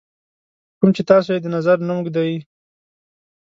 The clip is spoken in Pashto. کوم چې تاسو یې د نظر نوم ږدئ.